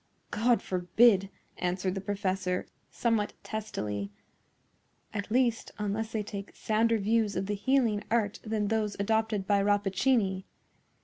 "God forbid," answered the professor, somewhat testily; "at least, unless they take sounder views of the healing art than those adopted by Rappaccini.